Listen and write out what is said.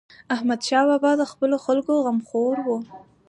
احمدشاه بابا د خپلو خلکو غمخور و.